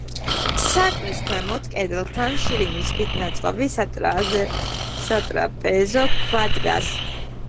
სარკმლის ქვემოთ კედელთან შირიმის ქვით ნაწყობი სატრაპეზო ქვა დგას.